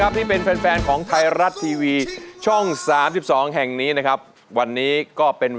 และเพลงเก่งของคุณ